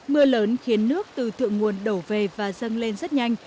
mưa lớn khiến nước từ thượng nguồn đổ về và dâng lên rất nhanh